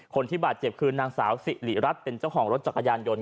คนที่บาดเจ็บคือนางสาวสิริรัตน์เป็นเจ้าของรถจักรยานยนต์